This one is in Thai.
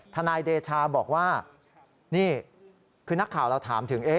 นายเดชาบอกว่านี่คือนักข่าวเราถามถึง